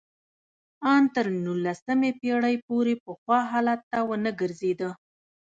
ان تر نولسمې پېړۍ پورې پخوا حالت ته ونه ګرځېده